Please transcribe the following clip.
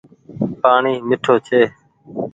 پآڻيٚ ميِٺو ڇي۔